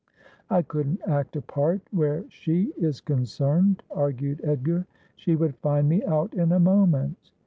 ' I couldn't act a part where she is concerned,' argued Edgar. ' She would find me out in a moment.'